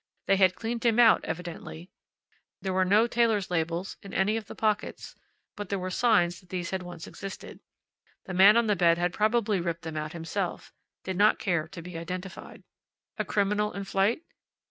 They had cleaned him out evidently. There were no tailors' labels in any of the pockets; but there were signs that these had once existed. The man on the bed had probably ripped them out himself; did not care to be identified. A criminal in flight?